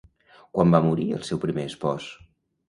Quan va morir el seu primer espòs?